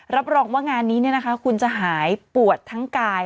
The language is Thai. รับรองว่างานนี้คุณจะหายปวดทั้งกาย